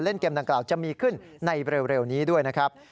อินโดนีเซียเล่นเกมดังกล่าวจะมีขึ้นในเร็วนี้ด้วยนะครับ